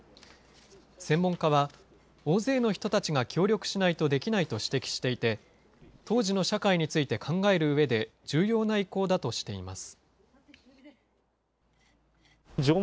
専門家は、大勢の人たちが協力しないとできないと指摘していて、当時の社会について考えるうえで、重要な遺構だとしています。